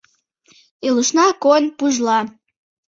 Илышна койын пужла.